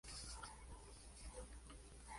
Una infernal lluvia de proyectiles cayó sobre ellos.